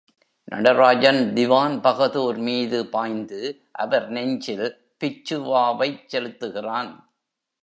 நடராஜன் திவான் பகதூர் மீது பாய்ந்து அவர் நெஞ்சில் பிச்சுவாவைச் செலுத்துகிறான்.